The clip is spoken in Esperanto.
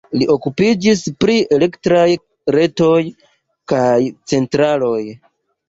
Li okupiĝis pri elektraj retoj kaj centraloj.